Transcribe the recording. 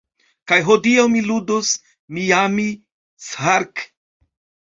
Kaj hodiaŭ mi ludos "Miami Shark".